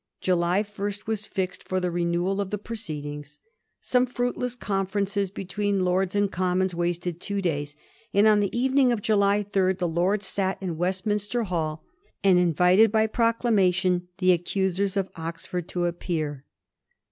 July 1 was fixed for the renewal of the proceedings. Some firuitless conferences between Lords and Com mons wasted two days, and on the evening of July 3 the Lords sat in Westminster Hall, and invited by pro clamation the accusers of Oxford to appear.